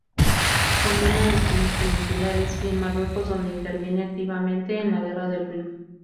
Combina destinos peninsulares y en Marruecos, donde interviene activamente en la Guerra del Rif.